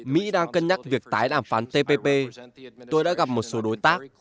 mỹ đang cân nhắc việc tái đàm phán tpp tôi đã gặp một số đối tác